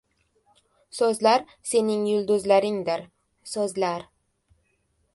• So‘zlar sening yulduzlaringdir. So‘zlar…